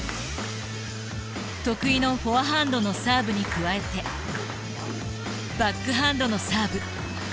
得意のフォアハンドのサーブに加えてバックハンドのサーブ。